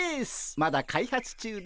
まだ開発中ですが。